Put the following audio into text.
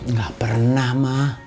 nggak pernah ma